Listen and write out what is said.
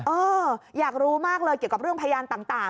เอออยากรู้มากเลยเกี่ยวกับเรื่องพยานต่าง